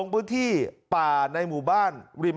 มึงอยากให้ผู้ห่างติดคุกหรอ